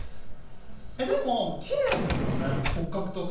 でも、きれいですもんね骨格とか。